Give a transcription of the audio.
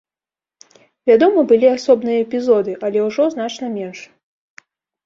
Вядома, былі асобныя эпізоды, але ўжо значна менш.